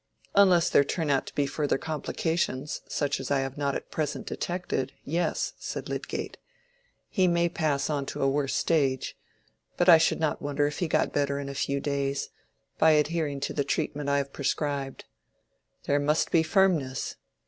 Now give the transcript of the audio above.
"Unless there turn out to be further complications, such as I have not at present detected—yes," said Lydgate. "He may pass on to a worse stage; but I should not wonder if he got better in a few days, by adhering to the treatment I have prescribed. There must be firmness.